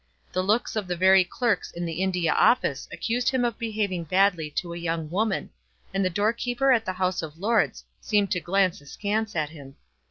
The looks of the very clerks in the India Office accused him of behaving badly to a young woman, and the doorkeeper at the House of Lords seemed to glance askance at him.